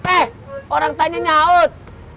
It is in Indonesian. eh orang tanya nyaut